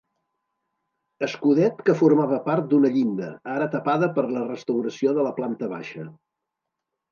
Escudet que formava part d'una llinda, ara tapada per la restauració de la planta baixa.